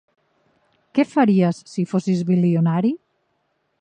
Què faries si fossis bilionari?